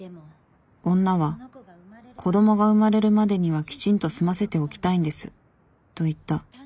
女は「子どもが生まれるまでにはきちんと済ませておきたいんです」と言った。